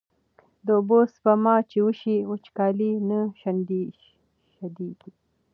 د اوبو سپما چې وشي، وچکالي نه شدېږي.